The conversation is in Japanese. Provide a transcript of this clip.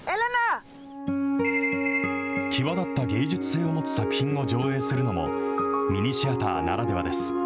際立った芸術性を持つ作品を上映するのも、ミニシアターならではです。